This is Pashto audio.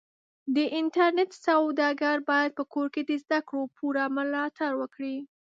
د انټرنېټ سوداګر بايد په کور کې د زدهکړو پوره ملاتړ وکړي.